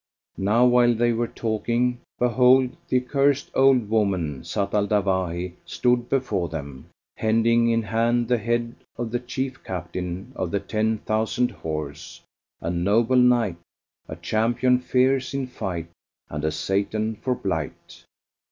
Now while they were talking, behold, the accursed old woman, Zat al Dawahi, stood before them, hending in hand the head of the Chief Captain of the ten thousand horse, a noble knight, a champion fierce in fight and a Satan for blight.